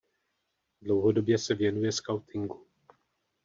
Dlouhodobě se věnuje skautingu.